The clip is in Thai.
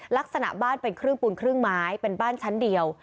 ลักษณะบ้านเป็นครึ่งปูนครึ่งไม้เป็นบ้านชั้นเดียว